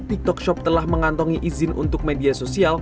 tiktok shop telah mengantongi izin untuk media sosial